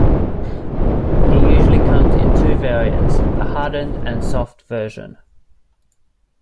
It usually comes in two variants: the hardened and soft version.